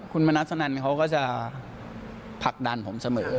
คุณโดนัทมะนัดสะนันเขาก็จะผลักดันผมเสมอ